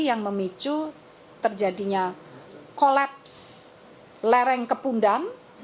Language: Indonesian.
yang memicu terjadinya kolaps lereng kepundan